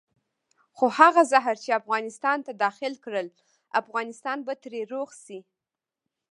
خو هغه زهر چې افغانستان ته داخل کړل افغانستان به ترې روغ شي.